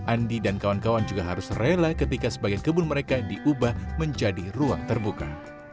andi dan kawan kawan juga harus rela ketika sebagian kebun mereka diubah menjadi ruang terbuka